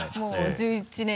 １１年目。